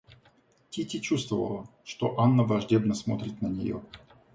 Кити чувствовала, что Анна враждебно смотрит на нее.